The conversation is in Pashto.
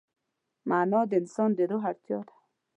معنی د انسان د روح اړتیا ده.